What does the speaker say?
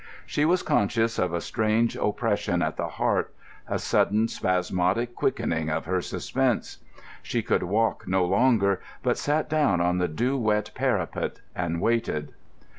She was conscious of a strange oppression at the heart, a sudden spasmodic quickening of her suspense. She could walk no longer, but sat down on the dew wet parapet and waited.